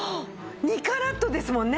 ２カラットですもんね。